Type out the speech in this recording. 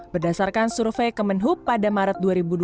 berdasarkan survei kemenhub pada maret dua ribu dua puluh